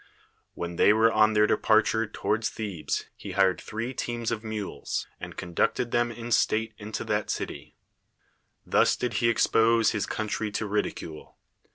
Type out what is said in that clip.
AVhen they were on their dei)arture toward Thebes he hir(>d three teams of mules, and conducted them in st;ite iiito that city. Thus did he expose his country to ridicule.